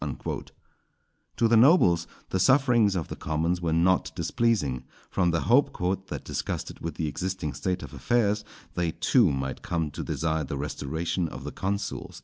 _" To the nobles the sufferings of the commons were not displeasing, from the hope "_that disgusted with the existing state of affairs, they too might come to desire the restoration of the consuls.